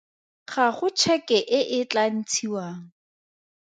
Ga go tšheke e e tla ntshiwang.